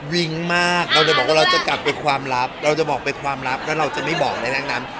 วิ้งมากเราจะบอกว่าเราจะกลับไปความลับเราจะบอกไปความลับแล้วเราจะไม่บอกในเรื่องนั้น